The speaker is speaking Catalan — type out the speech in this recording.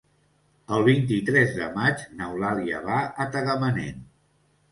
El vint-i-tres de maig n'Eulàlia va a Tagamanent.